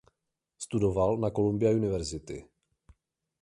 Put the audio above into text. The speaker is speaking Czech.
Studoval na Columbia University.